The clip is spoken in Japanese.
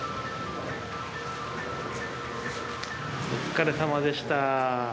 お疲れさまでした。